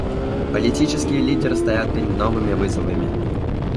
Политические лидеры стоят перед новыми вызовами.